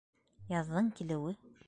Яҙҙың килеүе